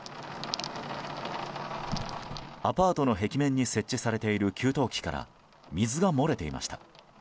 アパートの壁面に設置されている給湯器から水が漏れていました。